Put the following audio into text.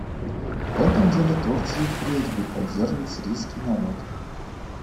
В этом деле Турция и впредь будет поддерживать сирийский народ.